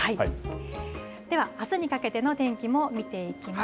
では、あすにかけての天気も見ていきます。